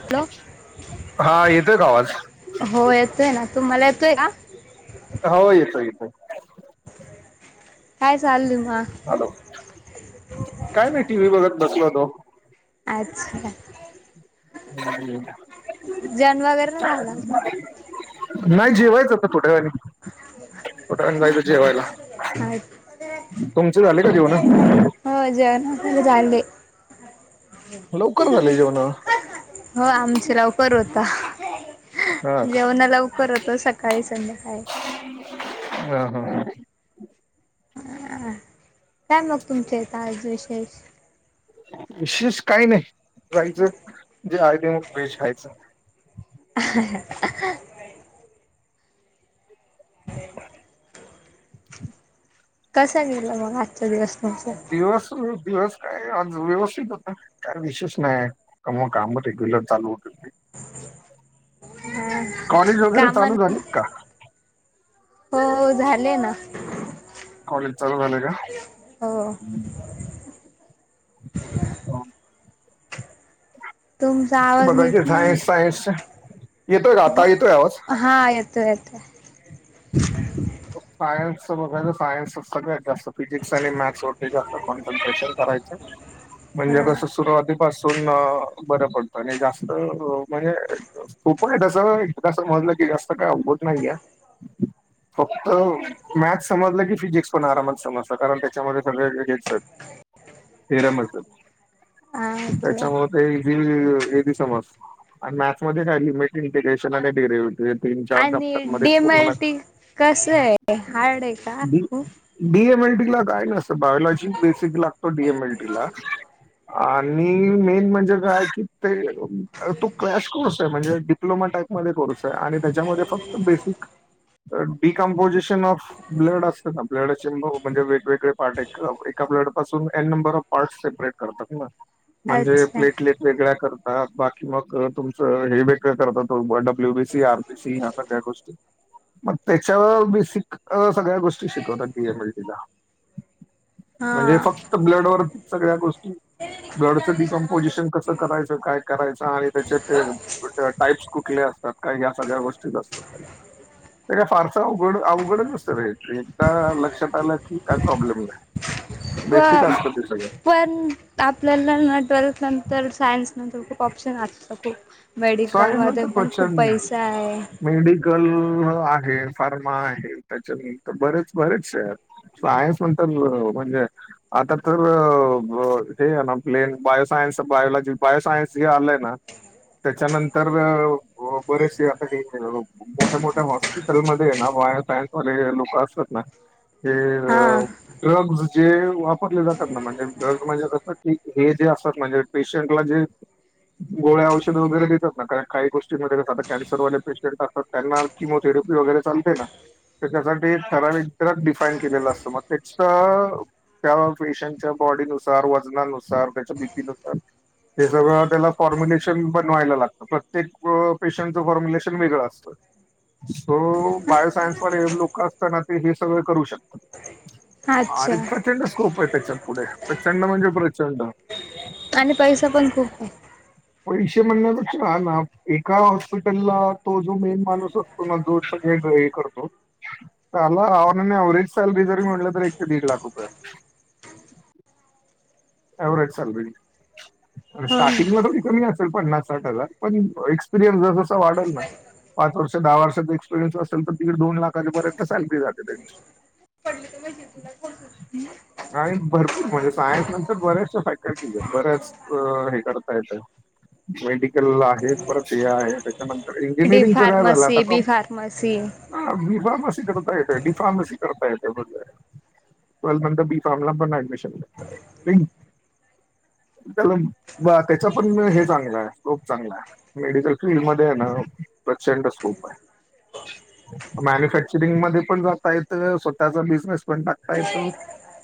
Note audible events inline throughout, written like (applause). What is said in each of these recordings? Hello हा, येतोय का आवाज हो, येतोय ना, तुम्हाला येतोय ना, हो, येतो येतो. काय चालू मा हॅलो काय नाही. टी. व्ही बघत बसल होतो. हम्म. (unintelligible) नाही जेवायचं, आता थोडावेळानी, थोड्यावेळानी जायचं जेवायला. हाय, तुमच झाले का जेवण (unintelligible) हो, लवकर झाले जेवण आमचे लवकर होता. हा का जेवण लवकर होत सकाळी, संध्याकाळी. हा हा, हा. काय मग, तुमचे इथं आज विशेष विशेष काही नाही, जायचं जे आहे ते मग व्हेज खायचं. (unintelligible) कसा गेला मग हा चा दिवस म? दिवस अ दिवस काय आज व्यवस्थित होता, काय विशेष नाही, का मग कामं रेग्युलर चालू होत होती. कॉलेज वगैरे काम न, चालू झालेत का? हो हो झाले ना. कॉलेज चालू झाले का? हो का? तुमचा आवाज नीट बघायचे नाही सायन्स सायन्स येत. येतोय का हो आता येतोय आवाज? हा येतोय येतोय. मग सायन्सचं बघायचं सायन्सच सगळ्यात जास्त फिजिक्स आणि मॅथ्सवरती जास्त कॉन्सन्ट्रेशन करायचं. म्हणजे कसं हा सुरुवातीत पासून अ बरं पडतं आणि जास्त म्हणजे खु पॉईंट तसं एकदा समजलं की जास्त काय अवघड नाहीय. फक्त मॅथस समजलं की फिजिक्स पण आरामात समजत, कारण त्याच्यामध्ये सगळे हेच आहेत. (unintelligible) थेरमच हायत, अच्छा त्याच्यामुळे ते इझी इझी समजत आणि मॅथस मध्ये काय लिमिट इंटिग्रेशन आणि डिरेव्हेटीव आणि डेमल्टी कसंय हार्ड आहे का खूप? डी एम एल टी ला काय नाय जास्त बायोलॉजी बेसिक लागतो डी एम एल टी ला. आणि मेन म्हणजे काय कि ते अ तू क्रॅश कोर्स म्हणजे डिप्लोमा टाईपमध्ये कोर्स आहे आणि त्याच्यामध्ये फक्त बेसिक डिकॉम्पोसिशन ऑफ ब्लड असतं ना, ब्लडचे ब म्हणजे वेगवेगळे पार्ट एका एका ब्लडपासून n number of parts separate करतात ना. म्हणजे अच्छा प्लेटलेट वेगळ्या करतात, बाकी मग अ तुमचं हे वेगळं करतात त W B C, R B C या सगळ्या गोष्टी. त्याच्या बेसिक अ सगळ्या गोष्टी शिकवतात डी एम एल टी ला. म्हणजे हा फक्त ब्लड वरती सगळ्या गोष्टी ब्लडचं डिकम्पोजिशन कसं करायचं, काय करायचं आणि त्याच्या ते ट टाईप्स कुठले असतात काय ह्या सगळ्या गोष्टीच असतात त्याच्या. ते काय फारसं अवघड अवघड नसतं ते, एकदा लक्षात आलं की काय प्रॉब्लेम नाही. प बेसिक असतं ते सगळं पण आपल्याला ट्वेल्थनंतर सायन्स नंतर खूप ऑप्शन असतं खूप, सायन्स मेडिकलमध्ये नंतर पण खूप प्रचंड पैसे आहे. मेडिकल आहे फार्मा आहे त्याच्यानंतर बरेच बरेचशे आहेत. सायन्स नंतर म्हणजे आता तर हे आहे ना प्लेन बायोसायन्स बायोलॉजी बायोसायन्स जे आलंय ना त्याच्यानंतर अ वा बरेचसे आता काही मोठ्या मोठ्या हॉस्पिटलमध्ये आहे ना बायोसायन्सवाले लोकं असतात ना ते अ हा ड्रग्ज जे वापरले जातात ना, म्हणजे ड्रग्ज म्हणजे कसं की हे जे असतात म्हणजे पेशंटला जे गोळ्या औश् ते वगैरे देतात ना, कारण काही गोष्टी मध्ये कसं आता कॅन्सरवाले पेशंट असतात त्यांना किमोथेरपी वगैरे चालते ना. त्याच्यासाठी ठराविक द्र डिफाईन केलेलं असतं मग त्याचा त्या पेशंटच्या बॉडीनुसार, वजनानुसार त्याच्या बीपी नुसार ते सगळं अ त्याला फॉर्मुले चवी बनवायला लागत प्रत्येक अ पेशंटचं फॉर्म्युलेशन वेगळं असतं. सो बायोसायन्स वाले लोक असता ना ते हे सगळं करू शकतात. अच्छा आरे प्रचंड स्कोप ये त्याच्यात पुढे प्रचंड म्हणजे प्रचंड आणि पैसा पण खूप ये. पैसे म्हणण्यापेक्षा हा ना एका हॉस्पिटलला तो जो मेन माणुस अस तो मग जोरपण हे करतो. त्यांना आणं एवरेज सॅलरी जरी म्हटलं तर एक ते दीड लाख रुपये अस एव्हरेज सॅलरी हो स्टार्टिंगला ना थोडी कमी असल पन्नास साठ हजार पण एक्सपिरियन्स जसजसा वाढल ना पाच वर्ष दहा वर्षाचा एक्सपिरियन्स असल तर दीड दोन लाखाांपर्यंत सॅलरी जाते त्यांची पडली त माहि आणि भरपूर म्हणजे सायन्स ना बऱ्याचशा फॅकल्टीज येत बऱ्याच हे करता येतात मेडिकल्ला आहे परत हे आहे त्याच्यानं डी इंजिनिअरिंग च काय झालं आता फार्मसी बी फार्मसी कंप ह बी फार्मसी करता येतय डि फार्मसी करता येतय ब टवेल् मधना बी फार्म ला पण एडमिशन भेटत. तीन त्याला म बा त्याचा पण हे चांगलाय स्कोप चांगलाय. मेडिकल फील्ड मध्ये हाय ना प्रचंड स्कोप हाय. मॅन्युफॅक्चरिंग मध्ये पण जाता येत. स्वतःचा बिझनेस पण टाकता येतो.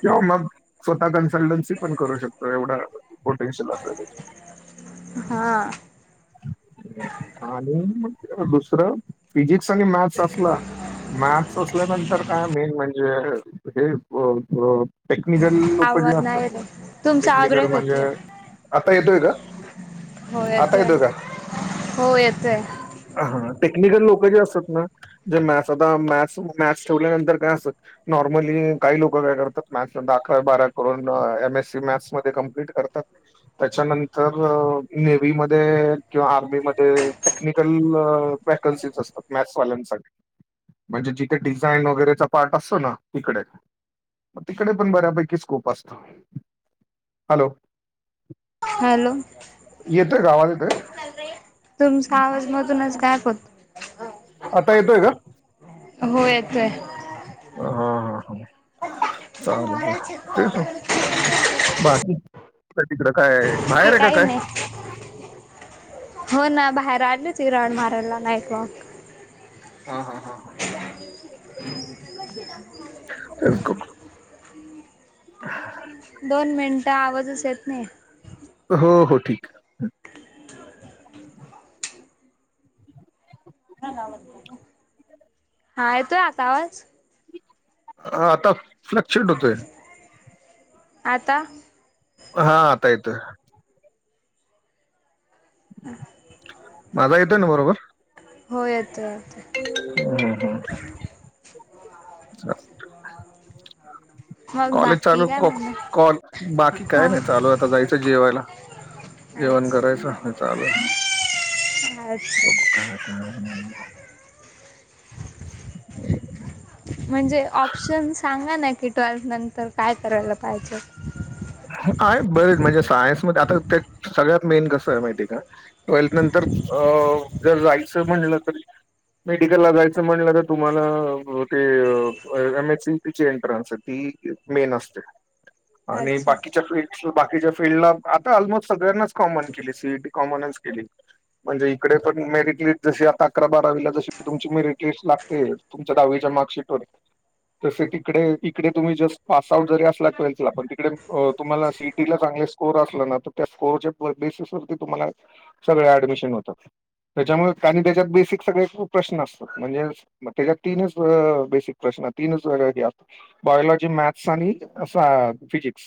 किंवा मग स्वतः कन्सल्टन्स ते पण करू शकता एवढा पोटेन्शियल असल त्याचा हा आणि मग दुसरं फिजिक्स आणि मॅथ्स असला मॅथ्स असल्यानंतर काय मेन म्हणजे हे अ अ टेक्निकल लोक जे आवाज नाही असतात येत ना तुमचा आवाज टेक्निकल ब्रेक म्हणजे होतोय आता येतोय का? हो आता येतोय का हो येतोय. ह टेक्निकल लोक जे असतात ना ते मॅथ्स आता मॅथ्स मॅथ्स ठेवल्यानंतर काय अस नॉर्मली काही लोक काय करतात मॅथ्स नंतर अकरावी बारावी करून म एम एस सी मॅथसमध्ये कम्प्लीट करतात. त्याच्यानंतर नेवी मध्ये किंवा आर्मीमध्ये टेक्निकल वॅकन्सीज असतात मॅथ्सवाल्यांसाठी म्हणजे जिथ डिझाईन वगैरेचा पार्ट असतो ना तिकडे म तिकडे पण बऱ्यापैकी स्कोप असतो. हॅलो हॅलो येतोय का आवाज येतोय. तुमचा आवाज मधूनच गायप होतो. आता येतोय का? हो येतोय. हा हा हा चालल चाललं तेच हो बाकी म तिकडं काय बाहेर की हाय का काही काय? नाही. हो ना बाहेर आली होती राऊंड मारायला नाईटला हा हा हा हा तेच क (unintelligible) दोन मिनिटं, आवाजच येत नाही. हो हो ठीक. हा, येतोय आता आवाज? हा आता फ्लूक्च्युएट होतोय. आता? हा आता येतोय. हम. माझा येतोय ना बरोबर? हो येतोय येतो. (unintelligible) मग कॉलेज बाकी चालू, काय म्हणणं कॉ, बाकी का काय नही चालू, आता जायचं जेवायला. जेवण अच्छा करायचं चालू ये. (unintelligible) ते ह (inaudible) ह (inaudible) म्हणजे ऑप्शन सांगा ना, की ट्वेल्थ नंतर काय करायला पाहिजे. आहे बरेच म्हणजे सायन्समध्ये आता, ते सगळ्यात मेन कसं हाय माहिती आहे का? ट्वेल्थ नंतर अ जर जायचं म्हणलं तर मेडिकलला जायचं म्हणलं, तर तुम्हाला ते एम एस सीईटी ची एंटरन्स ये. ते मेन असत. आणि अच्छा बाकीच्या फील्ड, बाकीच्या फीलल्डला, आता ऑलमोस्ट सगळ्यांनाच कॉमन केली सीईटी. कॉमनस केली. म्हणजे इकडे पण मेरिट लिस्ट जशी, आता अकरा बारावीला जशी तुमची मेरिट लिस्ट लागते. तुमच्या दहावीच्या मार्कशीटवर तसे तिकडे इकडे तुम्ही जस्ट पास आउट जरी असला ट्वेल्थला, पण तिकडे अं तुम्हाला सिईटीला चांगले स्कोअर असला ना, तर त्या स्कोरच्या बेसिस वरती तुम्हाला सगळे ऍडमिशन होतात, त्याच्यामुळे काही त्याच्यात बेसिक सगळे प्रश्न असतात. म्हणजे त्याच्यात तीनच अ बेसिक प्रश्न, तीनच वरायटी असता. बायलॉजी मॅथ्स आणि सा फिजिक्स.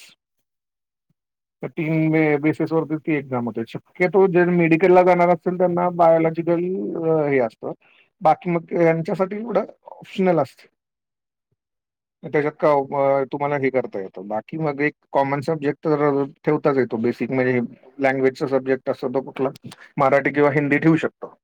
तर तीन बेसिस वरती, ती एक्झाम होते शक्यतो जे मेडिकलला जाणार असतील त्यांना बायलॉजी (unintelligible) असत बाकी मगच्यासाठी ओप्शनल असत. त्याच्यात का तुम्हाला हे करता येतं, बाकी मग एक कॉमन सब्जेक्ट तर ठेवताच येतो बेसिक, म्हणजे लँग्वेजचा सब्जेक्ट असत तो कुठला? मराठी किंवा हिंदी ठेवू शकतो.